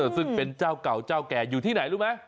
ซึ่งเป็นเจ้าเก่าเจ้าแก่อยู่ที่ไหนรู้ไหม